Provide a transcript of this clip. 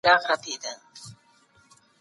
سیال هیواد د تابعیت قانون نه سختوي.